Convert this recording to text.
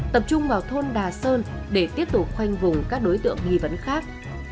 tập trung vào thôn đà sơn để tiếp tục khoanh vùng các đối tượng nghi vọng